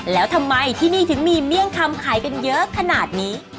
แล้วทำไมที่นี่ถึงมีเมี่ยงคำขายกันเยอะขนาดนี้